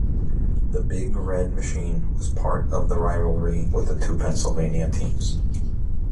The Big Red Machine was part of the rivalry with the two Pennsylvania teams.